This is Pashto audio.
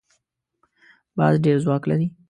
باز ډېر ځواک لري